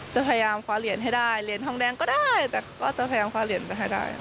จะพยายามคว้าเหรียญให้ได้เหรียญทองแดงก็ได้แต่ก็จะพยายามคว้าเหรียญไปให้ได้